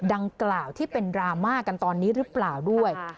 ดังกล่าวที่เป็นดราม่ากันตอนนี้หรือเปล่าด้วย